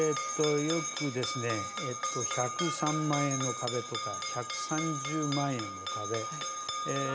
よく１０３万円の壁とか１３０万円の壁。